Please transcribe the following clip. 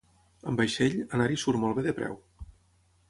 Amb vaixell, anar-hi surt molt bé de preu.